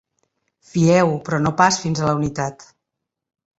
Fieu però no pas fins a la unitat.